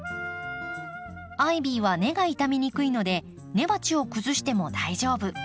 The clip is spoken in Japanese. アイビーは根が傷みにくいので根鉢を崩しても大丈夫。